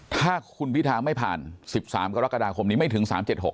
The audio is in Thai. ถ้าคุณพิธาไม่ผ่าน๑๓กรกฎาคมนี้ไม่ถึง๓๗๖